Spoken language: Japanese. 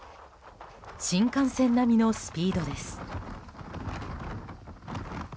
新幹線並みのスピードです。